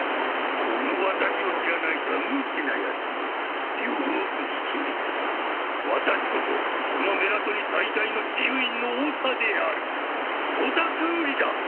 この私を知らないとは無知なヤツめよく聞け私こそこのメラトニ最大の治癒院の長であるボタクーリだ！